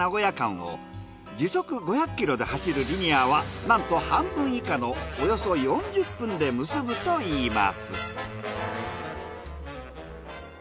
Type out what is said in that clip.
時速５００ｋｍで走るリニアはなんと半分以下のおよそ４０分で結ぶといいます。